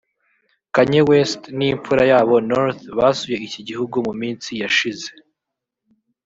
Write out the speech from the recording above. Kanye West n’impfura yabo North basuye iki gihugu mu minsi yashize